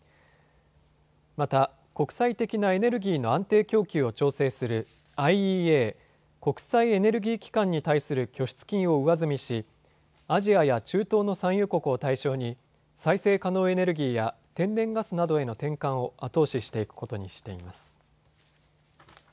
また、国際的なエネルギーの安定供給を調整するＩＥＡ・国際エネルギー機関に対する拠出金を上積みし、アジアや中東の産油国を対象に再生可能エネルギーや天然ガスなどへの転換を後押ししていくことにしています。